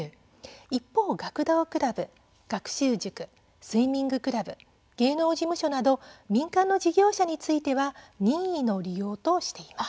一方、学童クラブ、学習塾スイミングクラブ芸能事務所など民間の事業者については任意の利用としています。